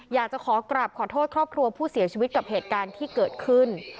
อยากจะขอกลับขอโทษครอบครัวผู้เสียชีวิตกับเหตุการณ์ที่เกิดขึ้น